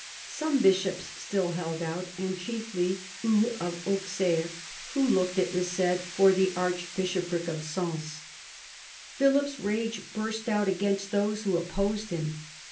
Some bishops still held out, and chiefly Hugh of Auxerre, who looked, it was said, for the archbishopric of Sens. Philip's rage burst out against those who opposed him.